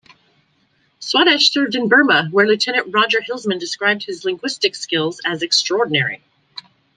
Swadesh served in Burma, where Lieutenant Roger Hilsman described his linguistic skills as extraordinary.